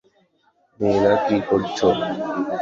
মেয়েরা কী করছো?